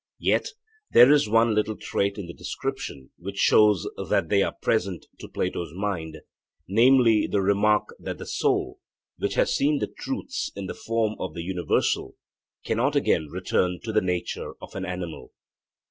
Yet there is one little trait in the description which shows that they are present to Plato's mind, namely, the remark that the soul, which had seen truths in the form of the universal, cannot again return to the nature of an animal.